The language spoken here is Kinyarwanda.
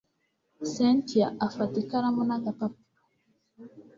cyntia afata ikaramu nagapapuro